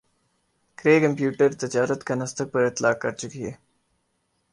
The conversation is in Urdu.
کَرئے کمپیوٹر تجارت کا نسدق پر اطلاق کر چکی ہے